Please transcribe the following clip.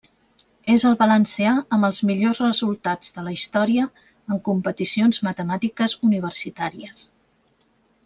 És el valencià amb els millors resultats de la història en competicions matemàtiques universitàries.